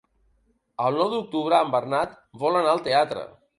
El nou d'octubre en Bernat vol anar al teatre.